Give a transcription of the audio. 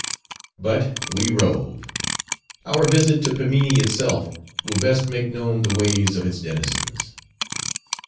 But we rove. Our visit to Pimminee itself, will best make known the ways of its denizens.